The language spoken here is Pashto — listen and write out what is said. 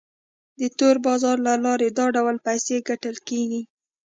د تور بازارۍ له لارې دا ډول پیسې ګټل کیږي.